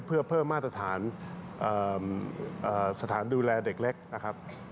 เพื่อเพิ่มมาตรฐานสถานดูแลเด็กแรก